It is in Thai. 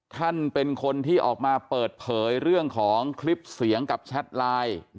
ท่านเป็นคนที่ออกมาเปิดเผยเรื่องของคลิปเสียงกับแชทไลน์